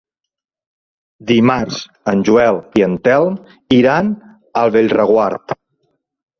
Dimarts en Joel i en Telm iran a Bellreguard.